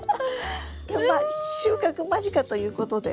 ま収穫間近ということで。